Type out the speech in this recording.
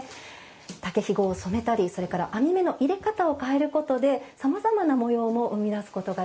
竹ひごを染めたりそれから編み目の入れ方を変えることでさまざまな模様も生み出すことができます。